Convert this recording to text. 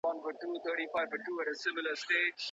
ولي د وړتیا درلودل د بریالیتوب تضمین نه سي کولای؟